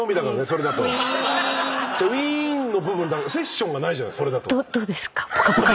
「ウィーン」の部分だけで「セッション」がないじゃない。